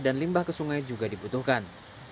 dan limbah ke sungai juga dibutuhkan